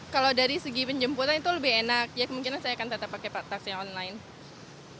kalau dari segi penjemputan itu lebih enak ya kemungkinan saya akan tetap pakai taksi online